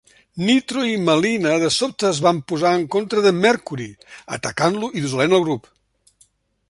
Nitro i Melina de sobte es van posar en contra de Mercury, atacant-lo i dissolent el grup.